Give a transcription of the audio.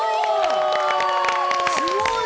すごい！